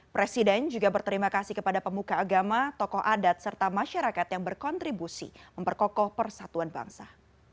presiden juga berterima kasih kepada pemuka agama tokoh adat serta masyarakat yang berkontribusi memperkokoh persatuan bangsa